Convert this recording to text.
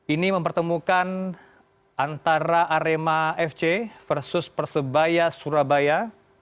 ini mempertemukan antara arema fc versus persebaya surabaya